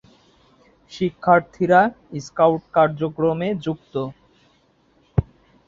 শিক্ষার্থীরা স্কাউট কার্যক্রমে যুক্ত।